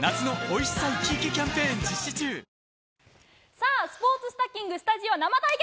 さあ、スポーツスタッキング、スタジオ生対決。